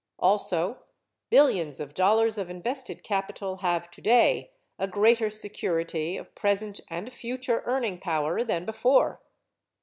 Also, billions of dollars of invested capital have today a greater security of present and future earning power than before.